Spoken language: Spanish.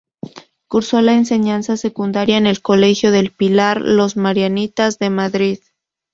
Cursó la enseñanza secundaria en el colegio del Pilar, los marianistas, de Madrid.